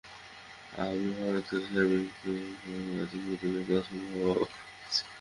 আমি হঠাত্ করে সাকিবকে এমন আচরণ করতে দেখে অসম্ভব অবাক হয়েছি।